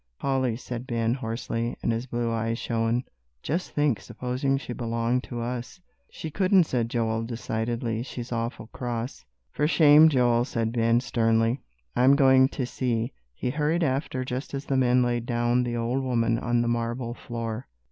"Polly," said Ben, hoarsely, and his blue eyes shone, "just think, supposing she belonged to us." "She couldn't," said Joel, decidedly, "she's awful cross." "For shame, Joel," said Ben, sternly. "I'm going in to see." He hurried after just as the men laid down the old woman on the marble floor.